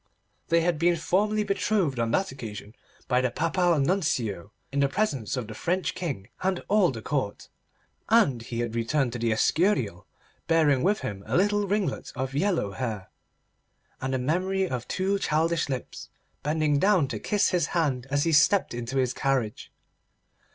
They had been formally betrothed on that occasion by the Papal Nuncio in the presence of the French King and all the Court, and he had returned to the Escurial bearing with him a little ringlet of yellow hair, and the memory of two childish lips bending down to kiss his hand as he stepped into his carriage.